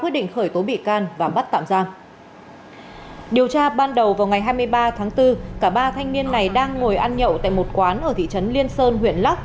điều tra ban đầu vào ngày hai mươi ba tháng bốn cả ba thanh niên này đang ngồi ăn nhậu tại một quán ở thị trấn liên sơn huyện lắc